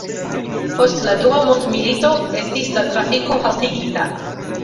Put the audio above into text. Post la Dua mondmilito estis la trafiko haltigita.